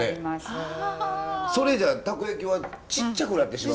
それじゃあたこ焼きはちっちゃくなってしまう。